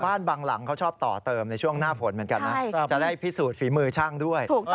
บางหลังเขาชอบต่อเติมในช่วงหน้าฝนเหมือนกันนะจะได้พิสูจน์ฝีมือช่างด้วย